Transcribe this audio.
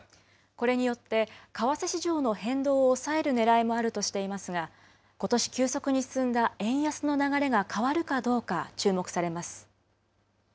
これによって、為替市場の変動を抑えるねらいもあるとしていますが、ことし急速に進んだ円安の流れが変わるかどうか注目されます。